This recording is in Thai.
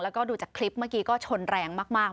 แล้วก็ดูจากคลิปเมื่อกี้ก็ชนแรงมากเหมือนกัน